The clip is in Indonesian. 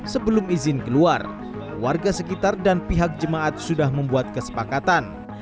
sebelum izin keluar warga sekitar dan pihak jemaat sudah membuat kesepakatan